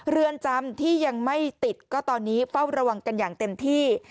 เรือนจำที่ยังไม่ติดก็ตอนนี้เฝ้าระวังกันอย่างเต็มที่